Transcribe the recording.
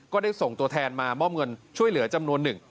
ก็ได้ส่งตัวแทนมามอบเงินช่วยเหลือจำนวนหนึ่ง